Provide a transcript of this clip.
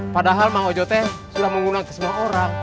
padahal mang ojo tuh sudah menggunakan semua orang